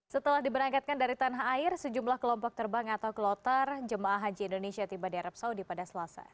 setelah diberangkatkan dari tanah air sejumlah kelompok terbang atau kelotar jemaah haji indonesia tiba di arab saudi pada selasa